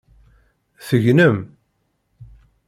Tegnem?